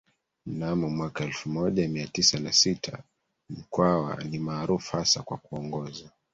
mnamo mwaka elfu moja mia tisa na sita Mkwawa ni maarufu hasa kwa kuongoza